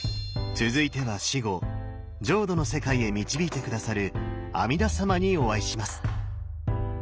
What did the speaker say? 続いては死後浄土の世界へ導いて下さる阿弥陀様にお会いします！